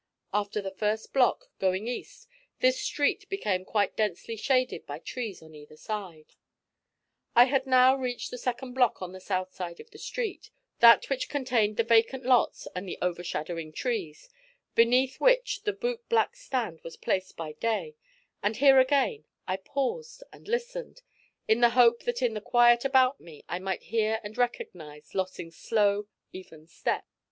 After the first block, going east, this street became quite densely shaded by the trees on either side. I had now reached the second block on the south side of the street, that which contained the vacant lots and the overshadowing trees, beneath which the bootblack's stand was placed by day; and here again I paused and listened, in the hope that in the quiet about me I might hear and recognise Lossing's slow, even step.